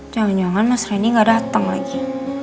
jangan jangan mas reni gak datang lagi